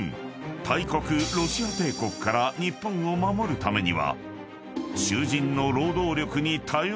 ［大国ロシア帝国から日本を守るためには］